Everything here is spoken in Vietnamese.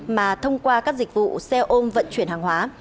mà thông qua các dịch vụ xe ôm vận chuyển hàng hóa